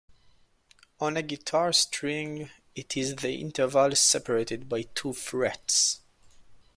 On a guitar string, it is the interval separated by two frets.